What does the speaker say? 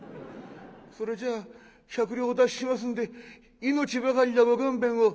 それじゃあ百両お出ししますんで命ばかりはご勘弁を」。